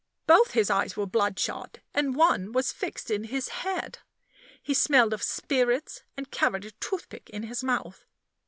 Both his eyes were bloodshot, and one was fixed in his head. He smelled of spirits, and carried a toothpick in his mouth.